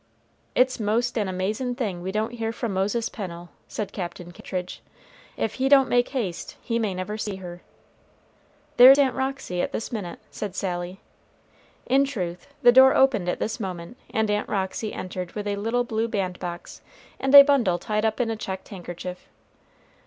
"It's 'most an amazin' thing we don't hear from Moses Pennel," said Captain Kittridge. "If he don't make haste, he may never see her." "There's Aunt Roxy at this minute," said Sally. In truth, the door opened at this moment, and Aunt Roxy entered with a little blue bandbox and a bundle tied up in a checked handkerchief.